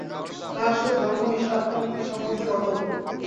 তাহার সহিত ধর্ম, ঈশ্বর, আত্মা, মুক্তি-সম্বন্ধে কথা বলুন।